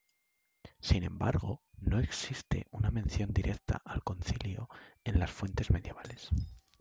Sin embargo, no existe una mención directa al concilio en las fuentes medievales.